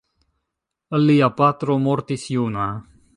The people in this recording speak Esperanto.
Lia patro mortis juna.